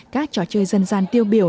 các trò chơi dân gian tiêu biểu